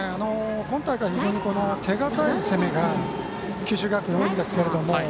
今大会非常に手堅い攻めが九州学院多いんですけれども。